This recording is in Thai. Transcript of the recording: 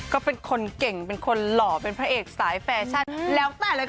ก็เป็นคนเก่งเป็นคนหล่อเป็นพระเอกสายแฟชั่นแล้วแต่ละคน